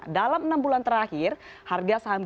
dalam enam bulan terakhir harga saham